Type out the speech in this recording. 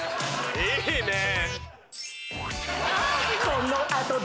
いいねぇ！